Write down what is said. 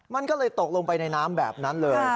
มันก็เลยตกลงไปในน้ำแบบนั้นเลย